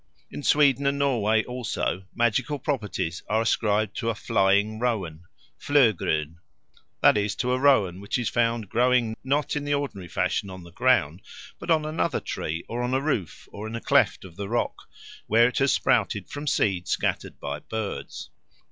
In Sweden and Norway, also, magical properties are ascribed to a "flying rowan" (flögrönn), that is to a rowan which is found growing not in the ordinary fashion on the ground but on another tree, or on a roof, or in a cleft of the rock, where it has sprouted from seed scattered by birds.